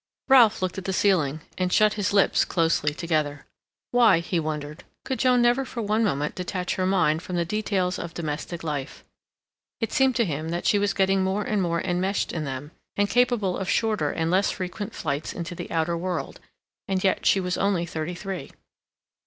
Ralph looked at the ceiling, and shut his lips closely together. Why, he wondered, could Joan never for one moment detach her mind from the details of domestic life? It seemed to him that she was getting more and more enmeshed in them, and capable of shorter and less frequent flights into the outer world, and yet she was only thirty three.